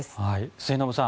末延さん